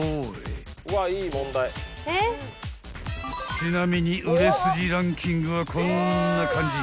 ［ちなみに売れ筋ランキングはこんな感じ］